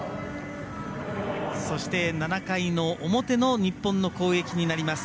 そして、７回の表の日本の攻撃になります。